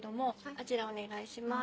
あちらお願いします。